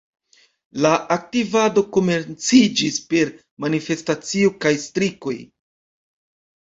La aktivado komenciĝis per manifestacioj kaj strikoj.